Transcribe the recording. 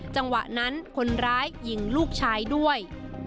จังหวะนั้นคนร้ายยิงลูกชายด้วย